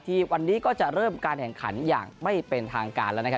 วันนี้ก็จะเริ่มการแข่งขันอย่างไม่เป็นทางการแล้วนะครับ